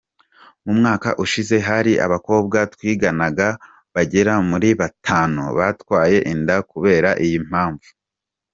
Mu mwaka ushize hari abakobwa twiganaga bagera muri batanu batwaye inda kubera iyi mpamvu.